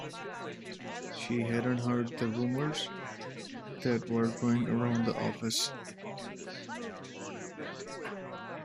She hadn’t heard the rumours that were going around the office.